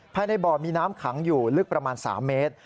ภายในบ่อมีน้ำขังอยู่ลึกประมาณ๓เมตร